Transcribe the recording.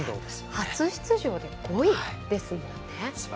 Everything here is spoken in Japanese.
初出場で５位ですものね。